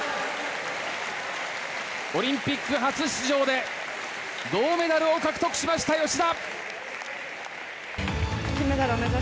オリンピック初出場で銅メダルを獲得しました芳田。